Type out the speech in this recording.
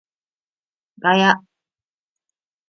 ガヤ